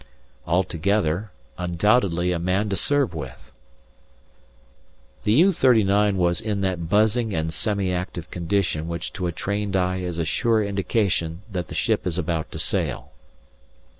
Altogether, undoubtedly a man to serve with. The U.39 was in that buzzing and semi active condition which to a trained eye is a sure indication that the ship is about to sail.